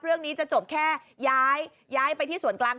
เรื่องนี้จะจบแค่ย้ายไปที่ส่วนกลาง